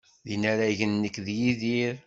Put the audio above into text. D inaragen nekk d Yidir.